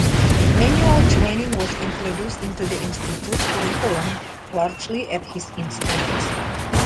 Manual training was introduced into the institute curriculum largely at his instance.